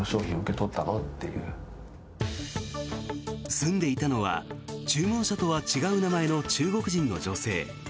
住んでいたのは注文者とは違う名前の中国人の女性。